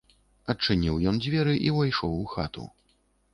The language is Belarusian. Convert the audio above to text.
Адчыніў ён дзверы і ўвайшоў у хату.